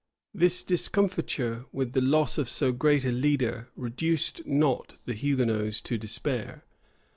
This discomfiture, with the loss of so great a leader, reduced not the Hugonots to despair.